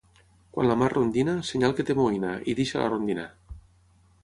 Quan la mar rondina, senyal que té moïna, i deixa-la rondinar.